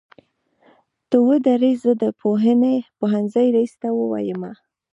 ته ودرې زه د پوهنځۍ ريس ته وويمه.